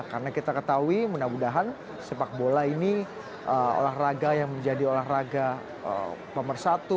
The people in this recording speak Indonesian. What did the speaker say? karena kita ketahui mudah mudahan sepak bola ini olahraga yang menjadi olahraga pemersatu